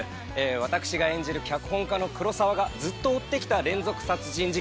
私が演じる脚本家の黒澤がずっと追ってきた連続殺人事件。